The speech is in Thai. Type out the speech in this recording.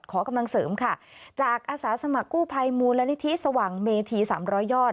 ขอกำลังเสริมค่ะจากอาสาสมัครกู้ภัยมูลนิธิสว่างเมธีสามร้อยยอด